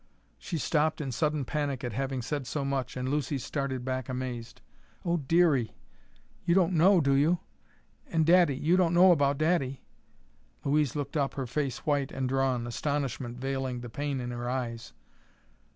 She stopped in sudden panic at having said so much, and Lucy started back amazed. "Oh, Dearie you don't know, do you and daddy you don't know about daddy?" Louise looked up, her face white and drawn, astonishment veiling the pain in her eyes.